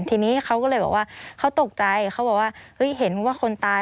ทีนี้เขาก็เลยบอกว่าเขาตกใจเขาบอกว่าเฮ้ยเห็นว่าคนตาย